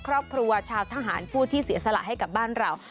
ครอบครัวชาวทหารผู้ที่เสียสละให้กับบ้านเรา